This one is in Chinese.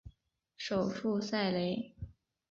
首府塞雷。